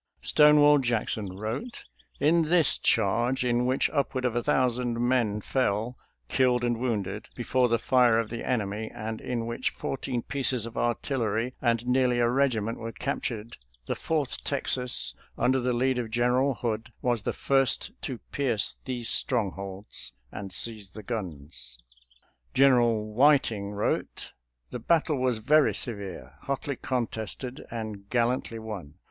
Stonewall Jackson wrote :" In this charge, in which upward of a thousand men fell, killed and wounded, before the fire of the enemy, and in which fourteen pieces of artillery and nearly a regiment were captured, the Fourth Texas, under the lead of General Hood, was the first to pierce these strongholds and seize the guns." General Whiting wrote :" The battle was very severe, hotly contested, and gallantly won.